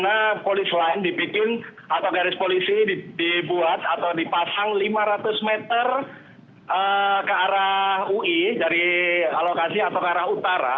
lima ratus meter ini sekarang sudah steril di mana garis polisi dibuat atau dipasang lima ratus meter ke arah ui dari lokasi atau ke arah utara